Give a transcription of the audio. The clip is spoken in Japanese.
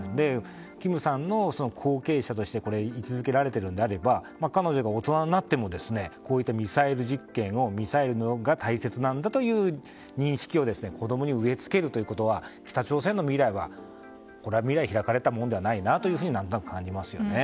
金さんの後継者としてい続けられているのであれば彼女が大人になってもこういったミサイル実験をミサイルが大切なんだという認識を子供に植え付けるということは北朝鮮の未来は開かれたものではないなと何となく感じますよね。